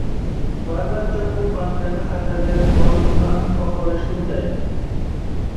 Va, albatta, bu banklarni xatarlarni doimiy va aniq baholashga undaydi